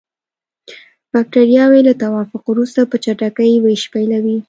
بکټریاوې له توافق وروسته په چټکۍ ویش پیلوي.